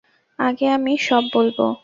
আগে আমি সব বলবো।